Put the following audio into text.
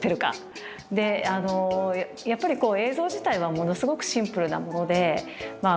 であのやっぱり映像自体はものすごくシンプルなものでまあ